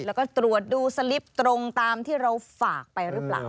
แล้วก็ตรวจดูสลิปตรงตามที่เราฝากไปหรือเปล่า